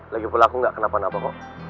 lagi pulaku gak kenapa napa kok